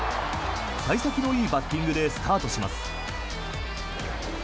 幸先のいいバッティングでスタートします。